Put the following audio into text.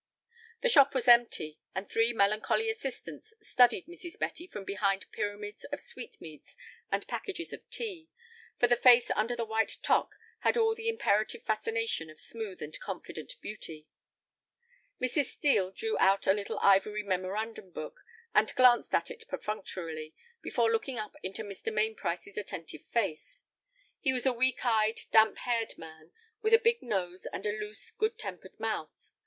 The shop was empty, and three melancholy assistants studied Mrs. Betty from behind pyramids of sweetmeats and packages of tea, for the face under the white toque had all the imperative fascination of smooth and confident beauty. Mrs. Steel drew out a little ivory memorandum book, and glanced at it perfunctorily, before looking up into Mr. Mainprice's attentive face. He was a weak eyed, damp haired man, with a big nose and a loose, good tempered mouth.